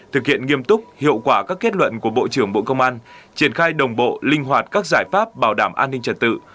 thực hiện nghiêm túc hiệu quả các kết luận của bộ trưởng bộ công an triển khai đồng bộ linh hoạt các giải pháp bảo đảm an ninh trật tự